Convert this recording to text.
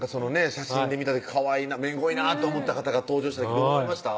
写真で見た時めんこいなと思った方が登場した時どう思いました？